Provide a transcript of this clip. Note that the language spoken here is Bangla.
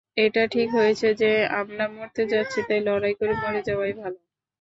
এটা ঠিক হয়েছে যে আমরা মরতে যাচ্ছি, তাই লড়াই করে মরে যাওয়াই ভালো।